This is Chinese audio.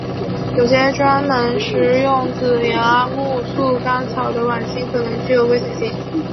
有些专门食用紫芽苜蓿干草的莞菁可能具有危险性。